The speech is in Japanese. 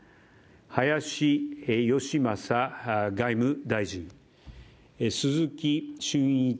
林芳正外務大臣鈴木俊一